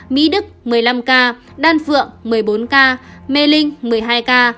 mỹ đức một mươi năm ca đan phượng một mươi bốn ca mê linh một mươi hai ca